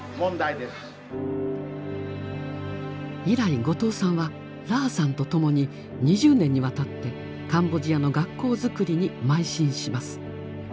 以来後藤さんはラーさんとともに２０年にわたってカンボジアの学校づくりに邁進します。